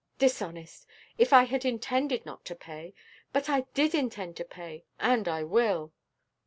"Dishonest! if I had intended not to pay. But I did intend to pay, and I will."